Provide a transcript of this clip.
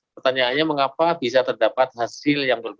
pertanyaannya mengapa bisa terdapat hasil yang berbeda